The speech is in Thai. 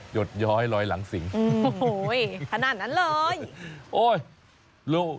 หยดย้อให้รอยหลังสิงถนัดนั้นเลยโอ้ย